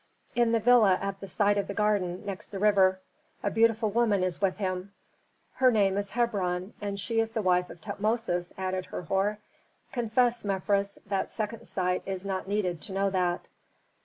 "In the villa at the side of the garden next the river. A beautiful woman is with him." "Her name is Hebron, and she is the wife of Tutmosis," added Herhor. "Confess, Mefres, that second sight is not needed to know that."